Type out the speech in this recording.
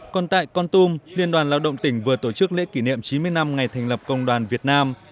còn tại con tum liên đoàn lao động tỉnh vừa tổ chức lễ kỷ niệm chín mươi năm ngày thành lập công đoàn việt nam